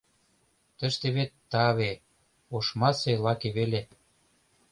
Тыште вет таве — ошмасе лаке веле.